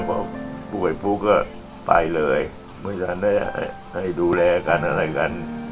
พอปุ่ยปุ๊บไปเลยไม่ท้านได้ให้ดูแลกันอะไรกัน